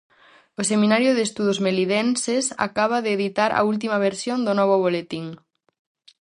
O Seminario de Estudos Melidenses acaba de editar a última versión do novo boletín.